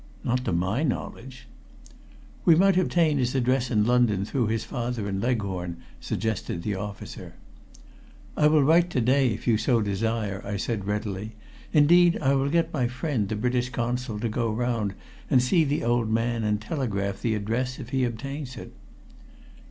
"Not to my knowledge." "We might obtain his address in London through his father in Leghorn," suggested the officer. "I will write to day if you so desire," I said readily. "Indeed, I will get my friend the British Consul to go round and see the old man and telegraph the address if he obtains it."